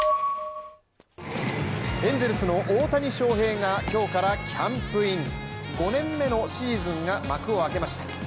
エンゼルスの大谷翔平が今日からキャンプイン５年目のシーズンが幕を開けました。